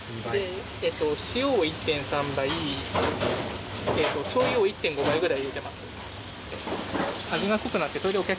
塩を１．３倍、しょうゆを１．５倍ぐらい入れています。